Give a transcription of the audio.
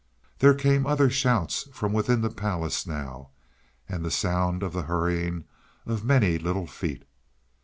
There came other shouts from within the palace now, and the sound of the hurrying of many little feet.